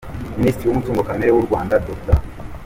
Minisitiri w’Umutungo Kamere w’u Rwanda, Dr.